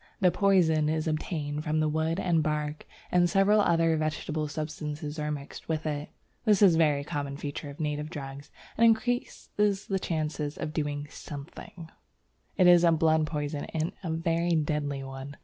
The poison is obtained from the wood and bark, and several other vegetable substances are mixed with it. (This is a very common feature of native drugs and increases the chances of doing something.) It is a blood poison, and a very deadly one.